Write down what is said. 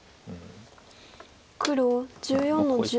黒１４の十。